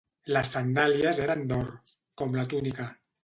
Les sandàlies eren d'or, com la túnica.